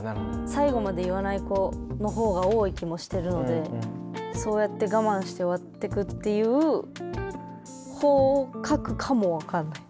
最後まで言わない子のほうが多い気もしてるのでそうやって我慢して終わってくっていうほうを描くかも分かんない。